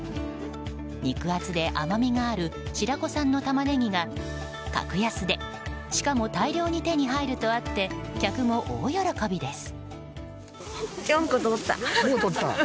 肉厚で、甘みがある白子産のタマネギが格安でしかも大量に手に入るとあって客も大喜びです。